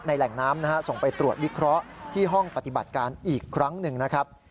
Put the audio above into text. แหล่งน้ำนะฮะส่งไปตรวจวิเคราะห์ที่ห้องปฏิบัติการอีกครั้งหนึ่งนะครับ